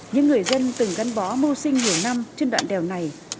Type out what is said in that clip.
những người dân từng gắn bó mô sinh nhiều năm